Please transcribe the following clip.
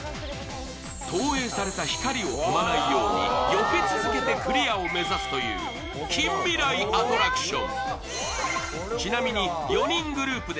投影された光を踏まないようによけ続けてクリアを目指すという近未来アトラクション。